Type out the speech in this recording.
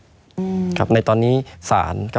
ไม่มีครับไม่มีครับ